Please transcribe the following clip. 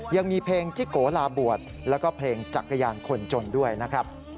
ยังมีเพลงจิโกลาบวชแล้วก็เพลงจักรยานคนจนด้วยนะครับ